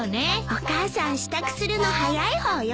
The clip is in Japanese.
お母さん支度するの早い方よ。